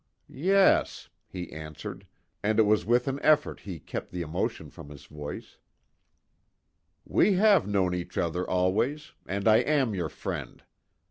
"Yes," he answered, and it was with an effort he kept the emotion from his voice, "We have known each other always, and I am your friend.